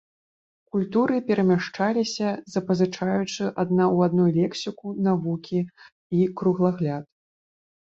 Культуры перамяшаліся, запазычаючы адна ў адной лексіку, навыкі і кругагляд.